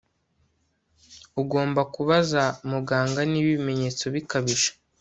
Ugomba kubaza muganga niba ibimenyetso bikabije